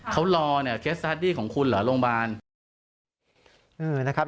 เขารอเนี่ยเคสตาร์ดดี้ของคุณเหรอโรงพยาบาล